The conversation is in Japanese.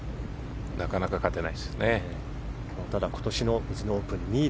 なかなか勝てないですね。